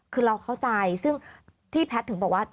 คือเราเข้าใจซึ่งที่แพทย์ถึงบอกว่า